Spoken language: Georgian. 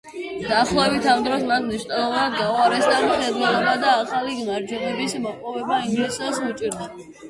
დაახლოებით ამ დროს მას მნიშვნელოვნად გაუუარესდა მხედველობა და ახალი გამარჯვებების მოპოვება ინგლისელს უჭირდა.